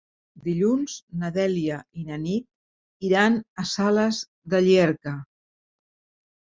Dilluns na Dèlia i na Nit iran a Sales de Llierca.